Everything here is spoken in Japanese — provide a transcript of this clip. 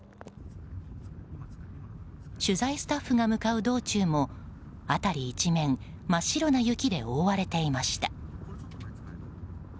取材スタッフが向かう道中も辺り一面真っ白な雪で覆われていました。